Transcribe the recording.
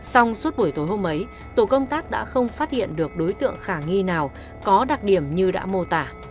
xong suốt buổi tối hôm ấy tổ công tác đã không phát hiện được đối tượng khả nghi nào có đặc điểm như đã mô tả